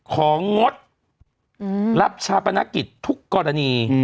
ของงดรับชาปนกิจทุกกรณี